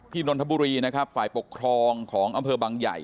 นนทบุรีนะครับฝ่ายปกครองของอำเภอบังใหญ่